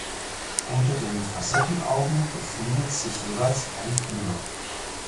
Unter den Facettenaugen befindet sich jeweils ein Fühler.